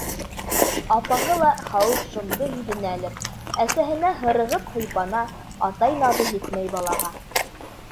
Апаһы ла хәүеф-шомдо һиҙенәлер, әсәһенә һырығып-һыйпана, атай наҙы етмәй балаға.